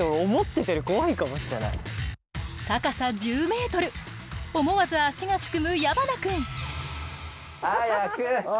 高さ１０ｍ思わず足がすくむ矢花君。早く。